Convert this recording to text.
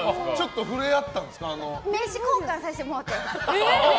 名刺交換させてもうて。